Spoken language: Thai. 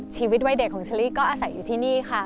ชีวิตวัยเด็กของเชอรี่ก็อาศัยอยู่ที่นี่ค่ะ